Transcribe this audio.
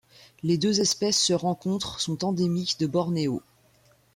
Les deux espèces se rencontrent sont endémiques de Bornéo.